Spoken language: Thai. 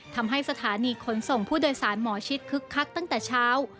ทำให้สถานีขนส่งผู้โดยสารหมอชิดคึกคักตั้งแต่เช้า